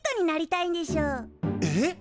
えっ？